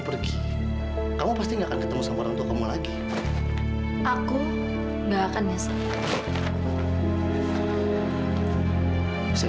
biar kamu bisa mencapai cita cita kamu dan kelihatan kamu juga cepet selesai